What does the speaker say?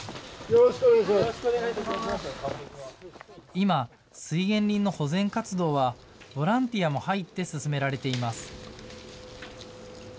今、水源林の保全活動はボランティアも入って進められています。